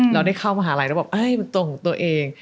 เราได้เข้ามหาลัยแล้วบอกมันตัวของตัวเอง